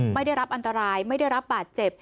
ไม่ได้รับอันตรายไม่ได้รับบาดเจ็บ